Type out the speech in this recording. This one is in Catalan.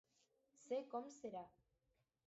Sé com serà.